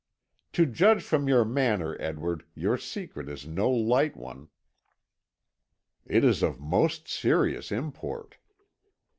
"To judge from your manner, Edward, your secret is no light one." "It is of most serious import."